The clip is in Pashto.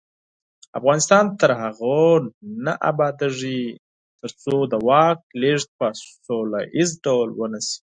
افغانستان تر هغو نه ابادیږي، ترڅو د واک لیږد په سوله ییز ډول ونشي.